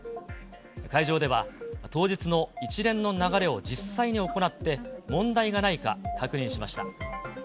会場では、当日の一連の流れを実際に行って、問題がないか確認しました。